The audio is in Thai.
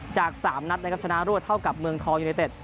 จาก๓นัดนะครับชนะรวดเท่ากับเมืองทองยูเนเต็ด